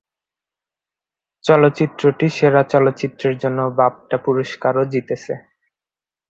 চলচ্চিত্রটি সেরা চলচ্চিত্রের জন্য বাফটা পুরস্কারও জিতেছে।